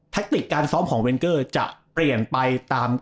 ติกการซ้อมของเวนเกอร์จะเปลี่ยนไปตาม